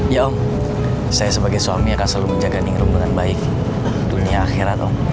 ya om saya sebagai suami akan selalu menjaga ningrum dengan baik dunia akhirat om